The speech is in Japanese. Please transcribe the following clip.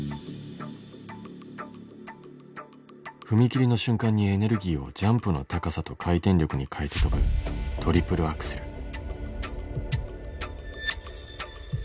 踏み切りの瞬間にエネルギーをジャンプの高さと回転力に変えて跳ぶトリプルアクセル。